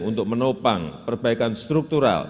untuk menopang perbaikan struktur